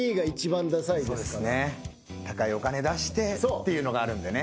高いお金出してっていうのがあるんでね。